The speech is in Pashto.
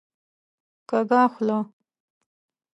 کږه خوله